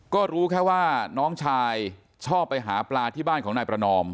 ก็รู้แค่ว่าน้องชายชอบไปหาปลาที่บ้านของนายประนอม